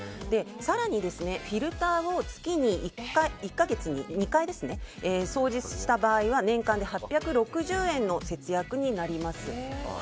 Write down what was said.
更にフィルターを月に１回から１か月に２回掃除した場合は年間で８６０円の節約になります。